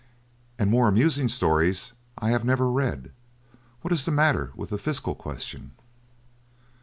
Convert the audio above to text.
And more amusing stories I have never read. What is the matter with the Fiscal question?